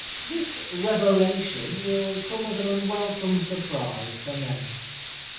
This revelation will come as an unwelcome surprise to many.